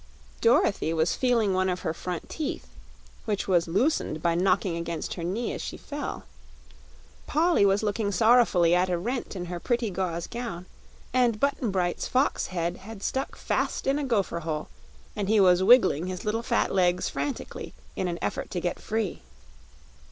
Dorothy was feeling one of her front teeth, which was loosened by knocking against her knee as she fell. Polly was looking sorrowfully at a rent in her pretty gauze gown, and Button Bright's fox head had stuck fast in a gopher hole and he was wiggling his little fat legs frantically in an effort to get free.